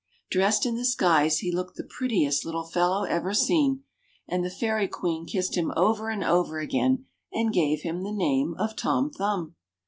Dressed in this guise he looked the prettiest little fellow ever seen, and the Fairy Queen kissed him over and over again, and gave him the name of Tom Thumb.